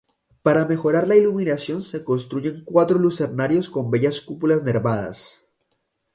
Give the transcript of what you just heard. Para mejorar la iluminación se construyen cuatro lucernarios con bellas cúpulas nervadas.